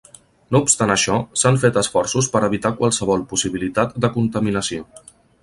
No obstant això, s'han fet esforços per evitar qualsevol possibilitat de contaminació.